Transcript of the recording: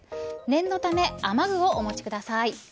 念のため雨具をお持ちください。